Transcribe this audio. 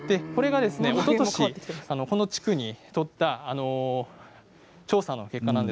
おととし、この地区に取った調査の結果です。